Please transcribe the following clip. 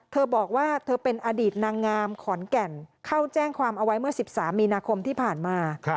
เธอบอกว่าเธอเป็นอดีตนางงามขอนแก่นเข้าแจ้งความเอาไว้เมื่อ๑๓มีนาคมที่ผ่านมา